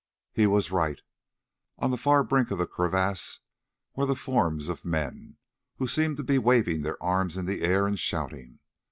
He was right. On the far brink of the crevasse were the forms of men, who seemed to be waving their arms in the air and shouting.